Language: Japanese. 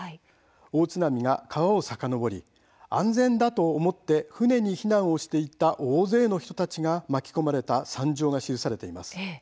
大津波が川をさかのぼり安全だと思って舟に避難をしていた大勢の人たちが巻き込まれた惨状が記されています。